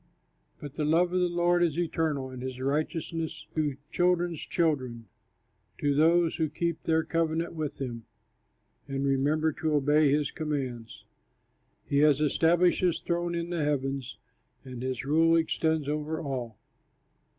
But the love of the Lord is eternal, And his righteousness to children's children, To those who keep their covenant with him, And remember to obey his commands. He has established his throne in the heavens, And his rule extends over all.